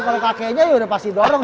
kalau kakeknya ya udah pasti dorong